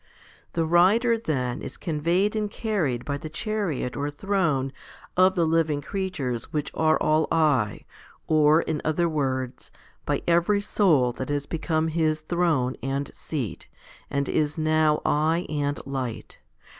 The Rider, then, is conveyed and carried by the chariot or throne of the living creatures which are all eye, or, in other words, by every soul that has become His throne and seat, and is now eye and light.